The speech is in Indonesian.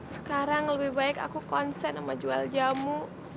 sekarang lebih baik aku konsen sama jual jamu